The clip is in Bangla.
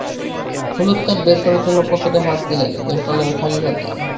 হলুদ কার্ড বের করার জন্য পকেটে হাত দিলেন, বের করলেন খালি হাতই।